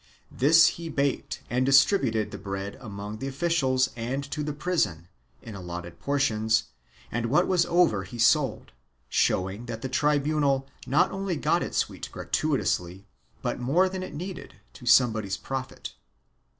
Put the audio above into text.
This he baked and distributed the bread among the officials and to the prison, in allotted portions, and what was over he sold — showing that the tribunal not only got its wheat gratuitously but more than it needed, to somebody's profit.